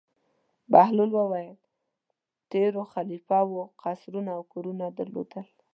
بهلول وویل: تېرو خلیفه وو قصرونه او کورونه درلودل.